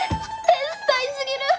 天才すぎる！